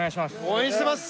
応援してます